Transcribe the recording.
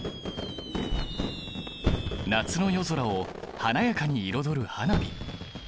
夏の夜空を華やかに彩る花火！